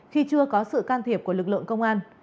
khi chưa có sự can thiệp của lực lượng công an